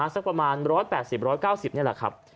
สักประมาณ๑๘๐๑๙๐นี่แหละครับ